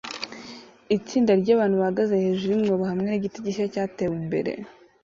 Itsinda ryabantu bahagaze hejuru yumwobo hamwe nigiti gishya cyatewe imbere